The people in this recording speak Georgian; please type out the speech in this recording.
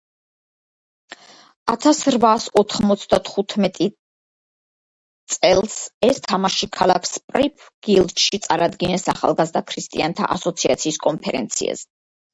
უწოდა. ათასრვაასოთხმოცდათხუთმეტი წელს ეს თამაში ქალაქ სპრიფგფილდში წარადგინეს ახალგაზრდა ქრისტიანთა ასოციაციის კონფერენციაზე.